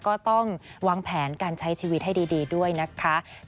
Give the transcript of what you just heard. ก็ต้องวางแผนการใช้ชีวิตให้ดีด้วยนะคะ